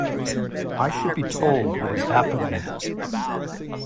I should be told what is happening.